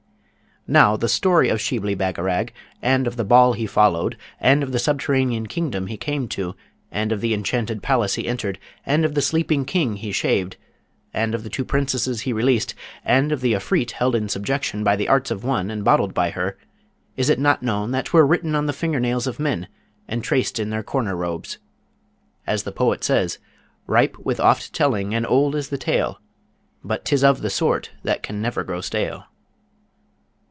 Now, the story of Shibli Bagarag, and of the ball he followed, and of the subterranean kingdom he came to, and of the enchanted palace he entered, and of the sleeping king he shaved, and of the two princesses he released, and of the Afrite held in subjection by the arts of one and bottled by her, is it not known as 'twere written on the finger nails of men and traced in their corner robes? As the poet says: Ripe with oft telling and old is the tale, But 'tis of the sort that can never grow stale.